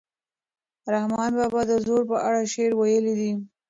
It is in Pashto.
رحمان بابا د زور په اړه شعر ویلی دی.